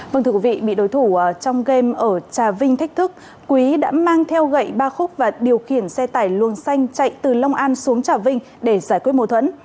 vâng thưa quý vị bị đối thủ trong game ở trà vinh thách thức quý đã mang theo gậy ba khúc và điều khiển xe tải luôn xanh chạy từ long an xuống trà vinh để giải quyết mô thuẫn